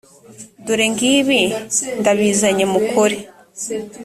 dore ngibi ndabizanye mukore